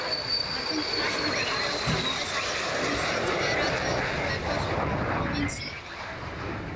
არგენტინაში მდებარეობს ამავე სახელწოდების ტიერა-დელ-ფუეგოს პროვინცია.